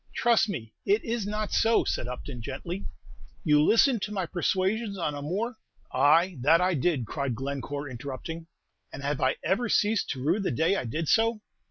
"Trust me it is not so," said Upton, gently; "you listened to my persuasions on a more " "Ay, that I did!" cried Glencore, interrupting; "and have I ever ceased to rue the day I did so?